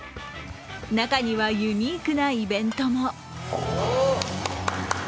中にはユニークなイベントも。